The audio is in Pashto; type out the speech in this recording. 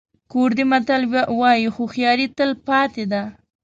کوردي متل وایي هوښیاري تل پاتې ده.